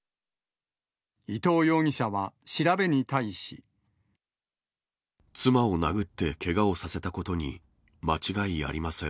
伊藤容疑者は、調べに対し。妻を殴ってけがをさせたことに間違いありません。